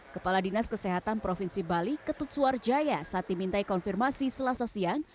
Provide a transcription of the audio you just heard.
kepala dinas kesehatan provinsi bali ketut suarjaya saat dimintai konfirmasi selasa siang